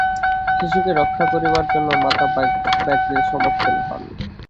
শিশুকে রক্ষা করিবার জন্য মাতা ব্যাঘ্রের সম্মুখীন হন।